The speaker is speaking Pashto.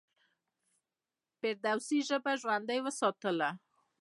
فردوسي ژبه ژوندۍ وساتله.